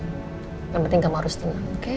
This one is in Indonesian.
yang penting kamu harus tenang